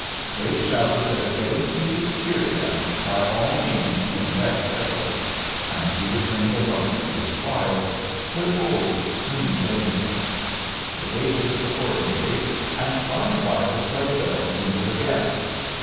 Drake shouted that if getting cheated cheered them, by all means to invest heavily, and he returned alone to his fire, where Bolles soon joined him. They waited, accordingly, and by and by the sleigh bells jingled again.